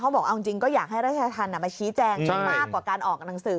เขาบอกเอาจริงก็อยากให้รัชทันมาชี้แจงกญ้อยมากกว่าการออกหนังสือ